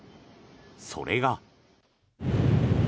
それが。